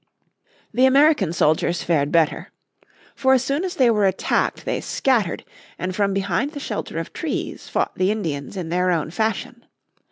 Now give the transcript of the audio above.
The American soldiers fared better. For as soon as they were attacked they scattered, and from behind the shelter of trees fought the Indians in their own fashion.